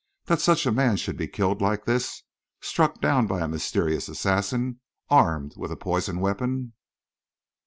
That such a man should be killed like this, struck down by a mysterious assassin, armed with a poisoned weapon....